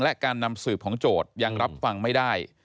และการนำสืบของโจทย์ยังรับฟังไม่ได้